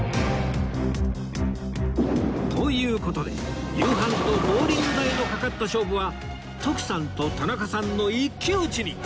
という事で夕飯とボウリング代のかかった勝負は徳さんと田中さんの一騎打ちに